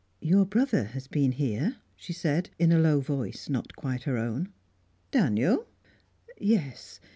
"Your brother has been here," she said, in a low voice not quite her own. "Daniel?" "Yes.